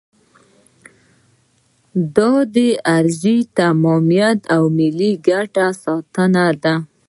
دا د ارضي تمامیت او ملي ګټو ساتنه ده.